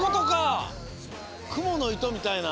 くものいとみたいな。